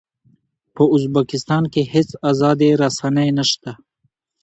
په ازبکستان کې هېڅ ازادې رسنۍ نه شته.